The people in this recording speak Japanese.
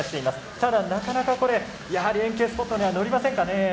ただなかなかこれやはり円形スポットには乗りませんかね。